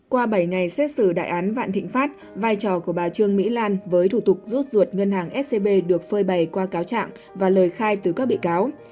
qua bảy ngày xét xử đại án vạn thịnh pháp vai trò của bà trương mỹ lan với thủ tục rút ruột ngân hàng scb được phơi bày qua cáo trạng và lời khai từ các bị cáo